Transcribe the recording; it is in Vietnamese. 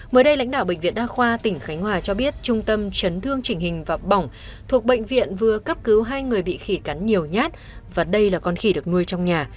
mới đây lãnh đạo bệnh viện đa khoa tỉnh khánh hòa cho biết trung tâm chấn thương chỉnh hình và bỏng thuộc bệnh viện vừa cấp cứu hai người bị khỉ cắn nhiều nhát và đây là con khỉ được nuôi trong nhà